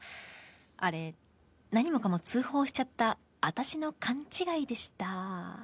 あれ何もかも通報しちゃった私の勘違いでした。